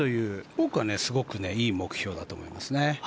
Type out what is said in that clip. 僕はすごくいい目標だと思いますね。